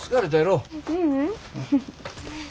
ううん。